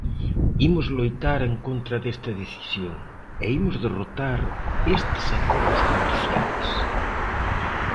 Imos loitar en contra desta decisión, e imos derrotar estes acordos comerciais.